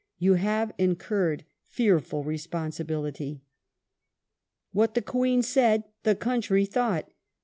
You have incurred fearful responsibility." ^ What the Queen said the country thought.